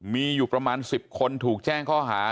มีอยู่ประมาณ๑๐คนถูกแจ้งข้อหา